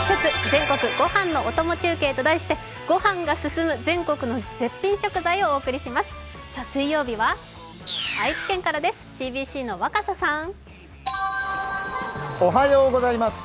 全国ご飯のお供中継」と題してご飯が進む全国の絶品食材をお届けします。